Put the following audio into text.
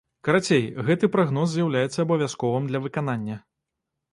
Карацей, гэты прагноз з'яўляецца абавязковым для выканання.